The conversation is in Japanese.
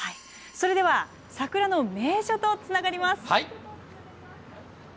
それでは、桜の名所とつながります。